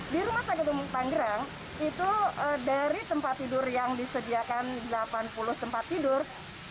di rumah sakit umum tanggerang itu dari tempat tidur yang disediakan delapan puluh tempat tidur